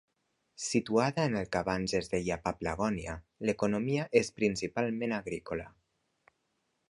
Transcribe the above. Situada en el que abans es deia Paphlagonia, l'economia és principalment agrícola.